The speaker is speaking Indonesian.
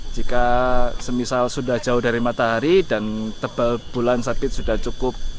jika semisal sudah jauh dari matahari dan tebal bulan sabit sudah cukup